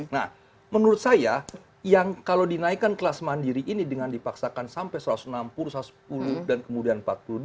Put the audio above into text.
nah menurut saya yang kalau dinaikkan kelas mandiri ini dengan dipaksakan sampai satu ratus enam puluh satu ratus sepuluh dan kemudian empat puluh dua